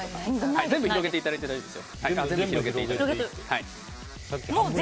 全部広げていただいて大丈夫ですよ。